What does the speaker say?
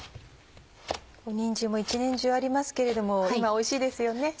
にんじんも一年中ありますけれども今おいしいですよね。